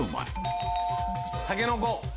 タケノコ。